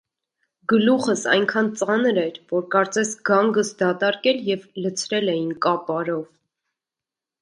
Գլուխս այնքան ծանր էր, որ կարծես գանգս դատարկել և լցրել էին կապարով: